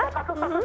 terima kasih mbak